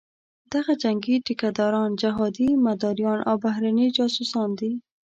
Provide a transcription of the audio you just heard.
دغه جنګي ټیکه داران، جهادي مداریان او بهرني جاسوسان دي.